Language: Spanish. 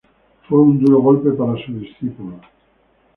Fue un duro golpe para su discípulo.